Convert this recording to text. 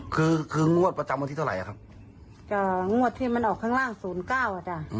คือคืองวดประจำวันที่เท่าไหร่อ่ะครับจ้ะงวดที่มันออกข้างล่างศูนย์เก้าอ่ะจ้ะ